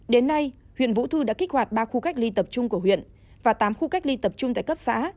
đến nay huyện vũ thư đã kích hoạt ba khu cách ly tập trung của huyện và tám khu cách ly tập trung tại cấp xã